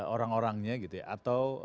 orang orangnya gitu ya atau